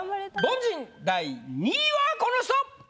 凡人第２位はこの人！